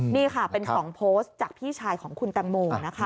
นี่ค่ะเป็นของโพสต์จากพี่ชายของคุณตังโมง